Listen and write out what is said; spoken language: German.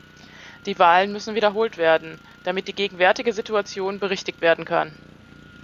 Die Wahlen müssen wiederholt werden, damit die gegenwärtige Situation berichtigt werden kann.